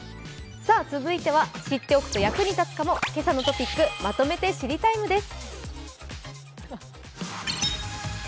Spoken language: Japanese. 続いては知っておくと役に立つかも「けさのトピックまとめて知りＴＩＭＥ，」です。